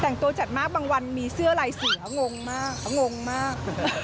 แต่งตัวจัดมากบางวันมีเสื้อลายเสืองงมากงงมาก